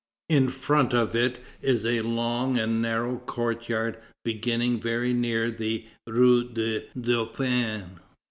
In front of it is a long and narrow courtyard beginning very near the rue de Dauphin.